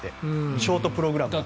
ショートプログラムでは。